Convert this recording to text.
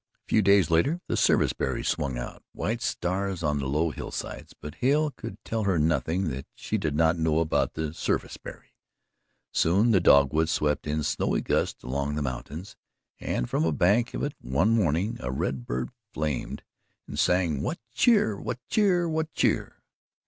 A few days later the service berry swung out white stars on the low hill sides, but Hale could tell her nothing that she did not know about the "sarvice berry." Soon, the dogwood swept in snowy gusts along the mountains, and from a bank of it one morning a red bird flamed and sang: "What cheer! What cheer! What cheer!"